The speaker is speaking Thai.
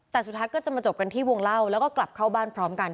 แต่สุดท้ายก็จะมาจบกันที่วงเล่าแล้วก็กลับเข้าบ้านพร้อมกัน